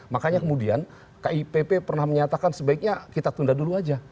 makanya kemudian kipp pernah menyatakan sebaiknya kita tunda dulu aja